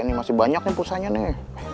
ini masih banyak deh polsanya nih